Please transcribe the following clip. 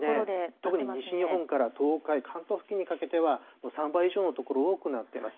特に西日本から東海、関東付近にかけては、３倍以上の所多くなってます。